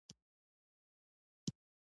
خور تل خپلو یادونو ته ژاړي.